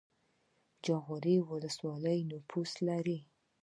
جاغوری ولسوالۍ نفوس لري؟